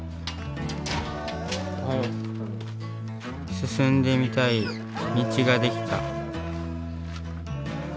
進んでみたい道ができた。